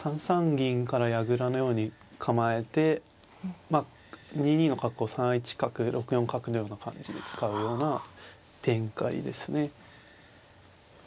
銀から矢倉のように構えてまあ２二の角を３一角６四角のような感じで使うような展開ですね。